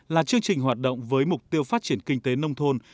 là chương trình hoạt động với mục tiêu phát triển kinh tế nông thôn